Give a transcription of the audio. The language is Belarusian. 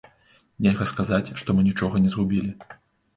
Нельга сказаць, што мы нічога не згубілі.